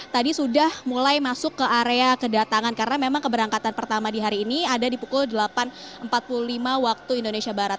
tadi sudah mulai masuk ke area kedatangan karena memang keberangkatan pertama di hari ini ada di pukul delapan empat puluh lima waktu indonesia barat